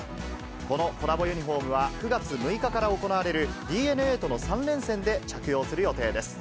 このコラボユニホームは９月６日から行われるＤｅＮＡとの３連戦で着用する予定です。